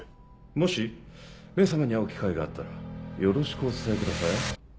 もし「め様」に会う機会があったらよろしくお伝えください。